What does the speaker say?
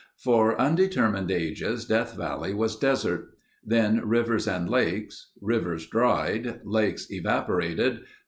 For undetermined ages Death Valley was desert. Then rivers and lakes. Rivers dried. Lakes evaporated.